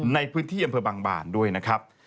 ในพื้นที่อำเภอบางบานด้วยนะครับ